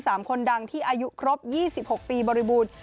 คนดังที่อายุครบ๒๖ปีบริบูรณ์